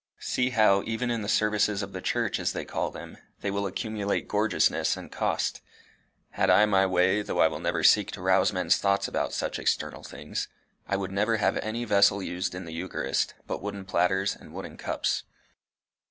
See how, even in the services of the church, as they call them, they will accumulate gorgeousness and cost. Had I my way, though I will never seek to rouse men's thoughts about such external things, I would never have any vessel used in the eucharist but wooden platters and wooden cups."